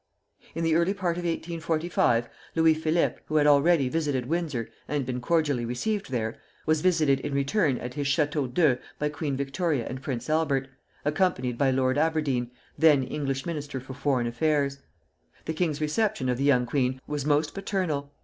In the early part of 1845 Louis Philippe, who had already visited Windsor and been cordially received there, was visited in return at his Château d'Eu by Queen Victoria and Prince Albert, accompanied by Lord Aberdeen, then English Minister for Foreign Affairs. The king's reception of the young queen was most paternal.